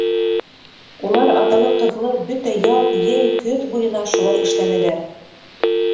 Улар аталы-ҡыҙлы бөтә яҙ, йәй, көҙ буйына шулай эшләнеләр.